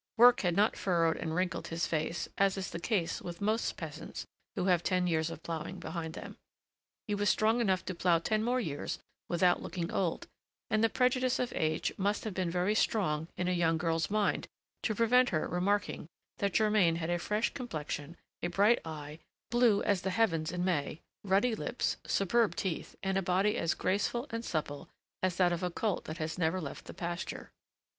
Work had not furrowed and wrinkled his face, as is the case with most peasants who have ten years of ploughing behind them. He was strong enough to plough ten more years without looking old, and the prejudice of age must have been very strong in a young girl's mind to prevent her remarking that Germain had a fresh complexion, a bright eye, blue as the heavens in May, ruddy lips, superb teeth, and a body as graceful and supple as that of a colt that has never left the pasture.